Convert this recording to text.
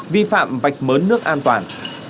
vi phạm vạch mớn nước an toàn